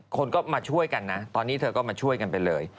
คนก็มาช่วยกันนะตอนนี้เธอก็มาช่วยกันไปเลย